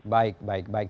baik baik baik